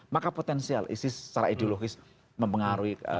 maka potensial isis secara ideologis mempengaruhi